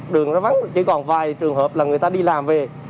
đường nó vắng chỉ còn vài trường hợp là người ta đi làm về